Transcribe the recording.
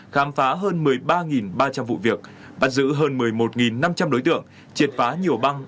khám phá hơn một mươi ba ba trăm linh vụ việc bắt giữ hơn một mươi một năm trăm linh đối tượng triệt phá nhiều băng